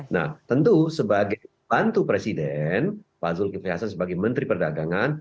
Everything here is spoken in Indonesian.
nah tentu sebagai bantu presiden pak zulkifli hasan sebagai menteri perdagangan